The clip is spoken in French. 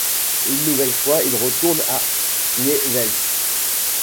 Une nouvelle fois il retourne à Newell's.